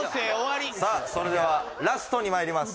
さあそれではラストにまいります